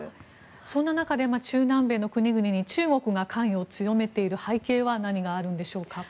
そんな中で中南米の国々に中国が関与を強めている背景には何があるんでしょうか。